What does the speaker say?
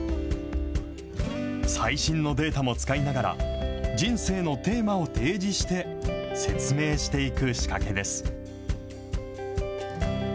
最新のデータも使いながら、人生のテーマを提示して説明していく仕掛けです。